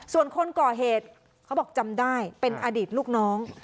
ส่วนคนก่อเหตุเขาบอกจำได้เป็นอดีตลูกน้อง